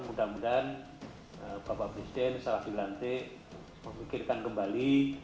mudah mudahan bapak presiden salah dibilante memikirkan kembali